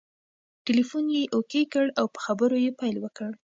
ټلیفون یې اوکې کړ او په خبرو یې پیل وکړ.